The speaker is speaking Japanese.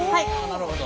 なるほど。